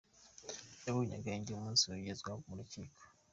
Yabonye agahenge umunsi agezwa mu rukiko.”